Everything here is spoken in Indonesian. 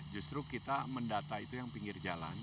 justru kita mendata itu yang pinggir jalan